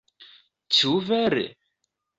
Ĉu vere?!